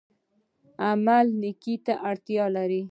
عمل نیکۍ ته اړتیا لري